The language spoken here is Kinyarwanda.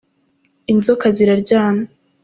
inzoka ziraryana.